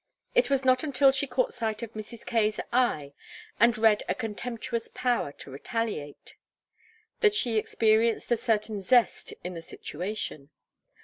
It was not until she caught Mrs. Kaye's eye and read a contemptuous power to retaliate, that she experienced a certain zest in the situation.